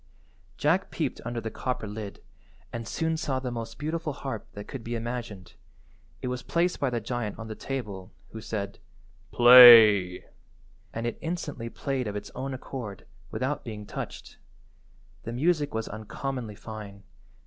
Jack peeped under the copper lid and soon saw the most beautiful harp that could be imagined. It was placed by the giant on the table, who said— "Play," and it instantly played of its own accord, without being touched. The music was uncommonly fine.